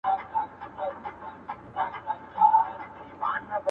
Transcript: چي زموږ پر خاوره یرغلونه کیږي،